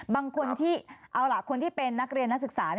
บางคนที่เป็นนักเรียนที่เป็นนักศึกษา